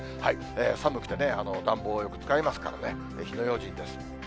寒くてね、暖房をよく使いますからね、火の用心です。